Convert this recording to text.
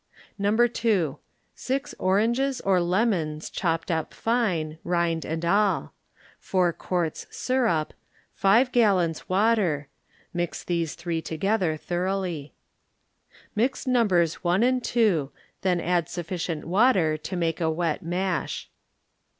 No. 2. Six oranges or lemons, chopped up fine, rind and all ; four quarts syrup; five gallons water (mix these three together thoroughly). Mix Nos. 1 and 2, then add sufficient water to make a wet mash.